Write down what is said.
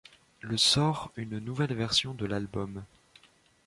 Le sort une nouvelle version de l'album.